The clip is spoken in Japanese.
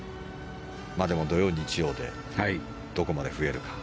でも、土曜、日曜でどこまで増えるか。